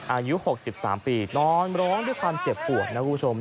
อายุ๖๓ปีนอนโรงด้วยความเจ็บห่วงนะครับคุณผู้ชม